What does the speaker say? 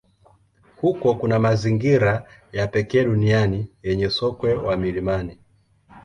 Huko kuna mazingira ya pekee duniani yenye sokwe wa milimani.